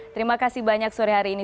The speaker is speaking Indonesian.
terima kasih banyak sore hari ini